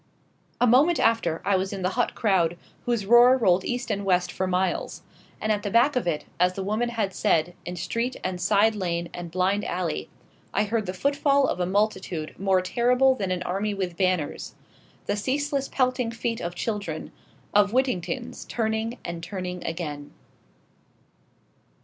A moment after I was in the hot crowd, whose roar rolled east and west for miles. And at the back of it, as the woman had said, in street and side lane and blind alley, I heard the footfall of a multitude more terrible than an army with banners, the ceaseless pelting feet of children of Whittingtons turning and turning again.